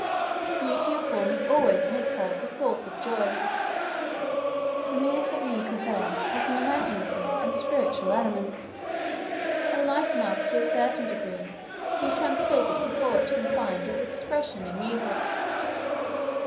Beauty of form is always in itself a source of joy; the mere technique of verse has an imaginative and spiritual element; and life must, to a certain degree, be transfigured before it can find its expression in music.